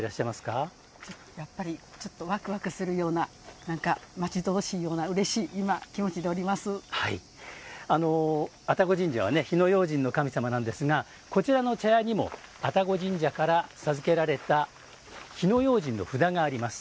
やっぱりちょっとわくわくするような待ち遠しいような愛宕神社は火の用心の神様なんですがこちらの茶屋にも愛宕神社から授けられた火迺要慎の札があります。